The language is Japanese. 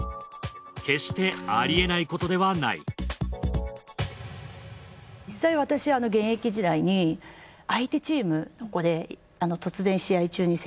決してありえないことではない実際私は現役時代に相手チームの子で。